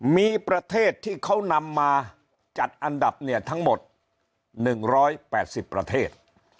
มีประเทศที่เขานำมาจัดอันดับเนี่ยทั้งหมด๑๘๐ประเทศ